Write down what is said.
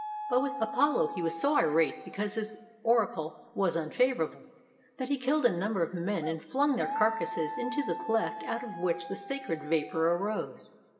But with Apollo he was so irate because his oracle was 436 THE EMPEROR NERO ON THE STAGE unfavorable, that he killed a number of men and flung their carcasses into the cleft out of which the sacred vapor arose.